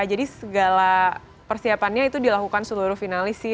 segala persiapannya itu dilakukan seluruh finalis sih